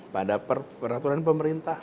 pada peraturan pemerintah